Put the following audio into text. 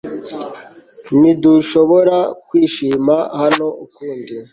Ntidushobora kwishima hano ukundi